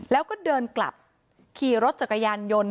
แล้วก็เดินกลับขี่รถจักรยานยนต์